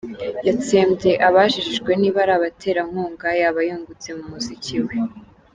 Yatsembye abajijwe niba ari abaterankunga yaba yungutse mu muziki we.